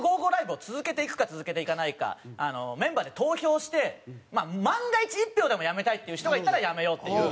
ＬＩＶＥ」を続けていくか続けていかないかメンバーで投票して万が一１票でもやめたいっていう人がいたらやめようっていう。